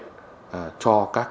cho các thành phần kinh tế